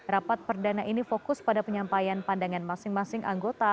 rapat perdana ini fokus pada penyampaian pandangan masing masing anggota